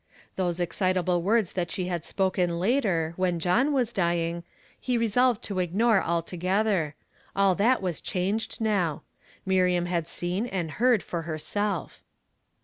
Those excitable words that she had spoken later, when John was dying, he resolved to ig nore altogether ; all that was changed now. Mir iaui had seen and heard for hei self.